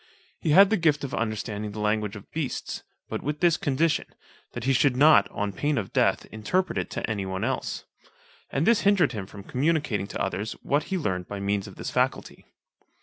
He had the gift of understanding the language of beasts, but with this condition, that he should not, on pain of death, interpret it to any one else. And this hindered him from communicating to others what he learned by means of this faculty.